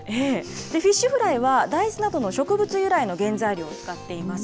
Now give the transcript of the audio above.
フィッシュフライは、大豆などの植物由来の原材料を使っています。